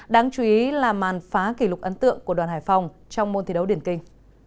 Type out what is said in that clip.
đáng chú ý là màn phá kỷ lục ấn tượng của đoàn hải phòng trong môn thi đấu điển kinh